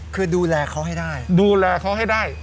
คือดูแลเขาให้ได้